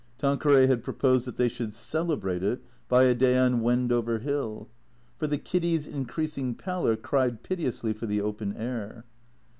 Tan queray had proposed that they should celebrate it by a day on Wendover Hill. For the Kiddy's increasing pallor cried pite ously for the open air.